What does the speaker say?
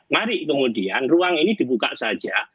mari kemudian ruang ini dibuka saja